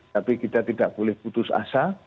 tapi kita tidak boleh putus asa